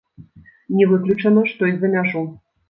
Не выключана, што і за мяжу.